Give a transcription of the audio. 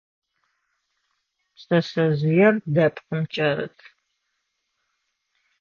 Пшъэшъэжъыер дэпкъым кӀэрыт.